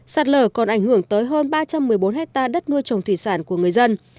sạt lở còn ảnh hưởng tới hơn ba trăm một mươi bốn hectare đất nuôi trồng thủy sản của người dân